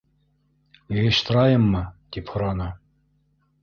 — Йыйыштырайыммы? — тип һораны.